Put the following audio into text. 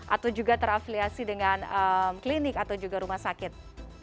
atau juga terafiliasi dengan klinik atau juga rumah sakit